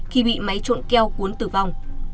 khi bị máy trộn keo cuốn tử vong